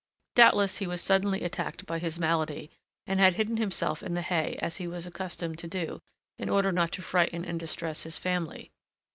Doubtless he was suddenly attacked by his malady, and had hidden himself in the hay, as he was accustomed to do, in order not to frighten and distress his family.